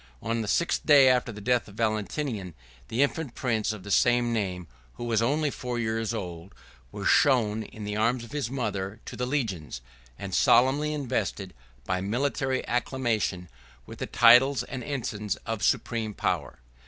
On the sixth day after the death of Valentinian, the infant prince of the same name, who was only four years old, was shown, in the arms of his mother, to the legions; and solemnly invested, by military acclamation, with the titles and ensigns of supreme power.